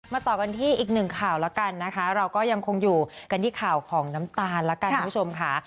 ต่อกันที่อีกหนึ่งข่าวแล้วกันนะคะเราก็ยังคงอยู่กันที่ข่าวของน้ำตาลแล้วกันคุณผู้ชมค่ะ